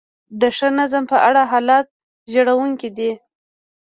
د ښه نظم په اړه حالت ژړونکی دی.